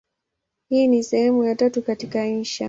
Hii ni sehemu ya tatu katika insha.